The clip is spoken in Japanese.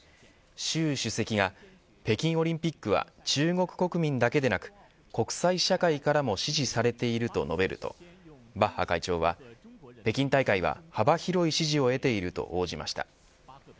習主席が北京オリンピックは中国国民だけでなく国際社会からも支持されていると述べるとバッハ会長は北京大会は幅広い支持を得ていると応じました。